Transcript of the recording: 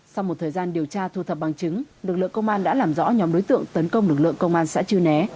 sau một thời gian điều tra thu thập bằng chứng lực lượng công an đã làm rõ nhóm đối tượng tấn công lực lượng công an xã chư né